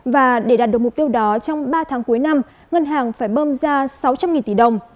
và để đạt được mục tiêu đó trong ba tháng cuối năm ngân hàng phải bơm ra sáu trăm linh tỷ đồng